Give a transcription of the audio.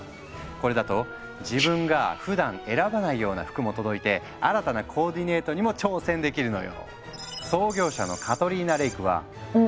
これだと自分がふだん選ばないような服も届いて新たなコーディネートにも挑戦できるのよ。